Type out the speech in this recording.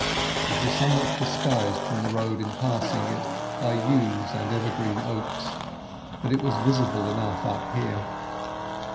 It was somewhat disguised from the road in passing it by yews and evergreen oaks, but it was visible enough up here.